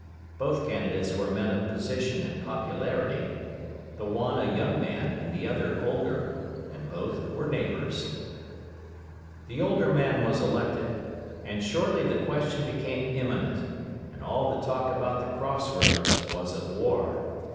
Both candidates were men of position and popularity, the one a young man and the other older, and both were neighbors. The older man was elected, and shortly the question became imminent, and all the talk about the Cross roads was of war.